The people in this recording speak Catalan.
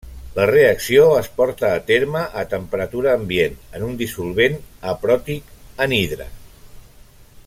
La reacció es porta a terme a temperatura ambient en un dissolvent apròtic anhidre.